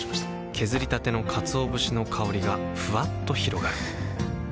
削りたてのかつお節の香りがふわっと広がるはぁ。